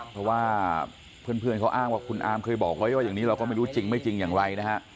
เพราะว่าเพื่อนเขาอ้างว่าคุณอาร์มเคยบอกไว้ว่าอย่างนี้เราก็ไม่รู้จริงไม่จริงอย่างไรนะฮะ